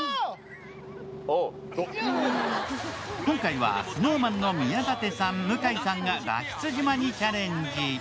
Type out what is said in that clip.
今回はＳｎｏｗＭａｎの宮舘さん、向井さんが脱出島にチャレンジ。